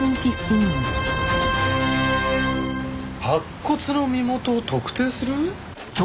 白骨の身元を特定する？